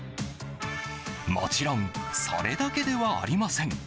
もちろんそれだけではありません。